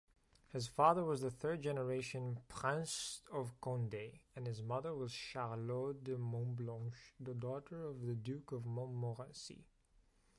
His father was the third generation Princes of Condé, and his mother was Charlotte de Montblanche, the daughter of the Duke of Montmorency.